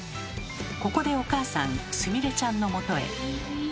ここでお母さんすみれちゃんのもとへ。